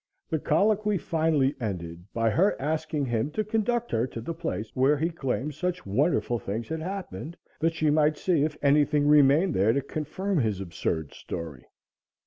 The colloquy finally ended by her asking him to conduct her to the place where he claimed such wonderful things had happened, that she might see if anything remained there to confirm his absurd story.